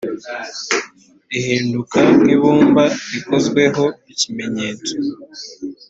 ihinduka nk’ibumba rikozweho ikimenyetso